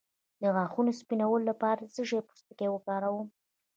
د غاښونو سپینولو لپاره د څه شي پوستکی وکاروم؟